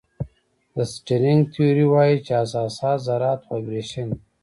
د سټرینګ تیوري وایي چې اساسي ذرات وایبریشن دي.